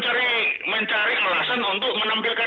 saya begini dia yang sabi sekarang